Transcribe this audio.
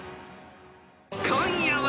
［今夜は］